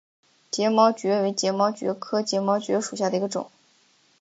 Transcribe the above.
睫毛蕨为睫毛蕨科睫毛蕨属下的一个种。